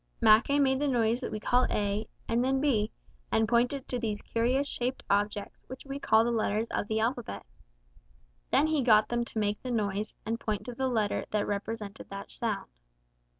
Mackay made the noise that we call A and then B, and pointed to these curious shaped objects which we call the letters of the alphabet. Then he got them to make the noise and point to the letter that represented that sound.